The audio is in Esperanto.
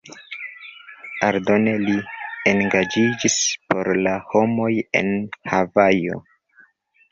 Aldone li engaĝiĝis por la homoj en Havajo.